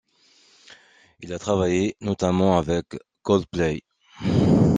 Il a travaillé notamment avec Coldplay.